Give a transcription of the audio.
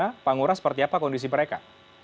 karena pak ngura seperti apa kondisi mereka